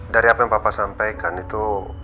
dari apa yang bapak sampaikan itu